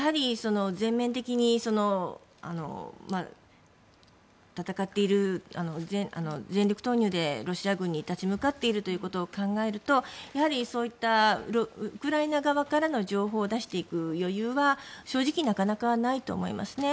全面的に戦っている全力投入でロシア軍に立ち向かっているということを考えるとウクライナ側からの情報を出していく余裕は正直、なかなかないと思います。